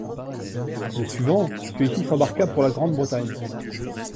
Le suivant, celui-ci s'embarqua pour la Grande-Bretagne.